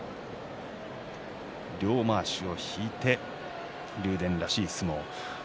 両まわしを引いて竜電らしい相撲。